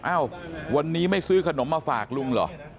เอ้าวันนี้ไม่ซื้อขนมมาฝากลุงเหรอ